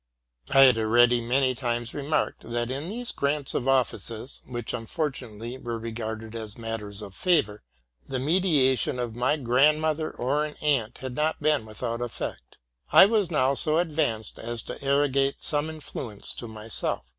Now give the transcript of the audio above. I had already many times remarked, that in these grants of offices, which unfortu nately were regarded as matters of favor, the mediation of my grandmother or an aunt had not been without effect. I was now so advanced as to arrogate some influence to my self.